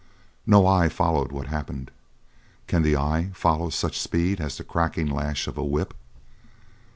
No eye followed what happened. Can the eye follow such speed as the cracking lash of a whip?